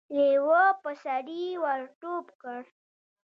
لېوه په سړي ور ټوپ کړ.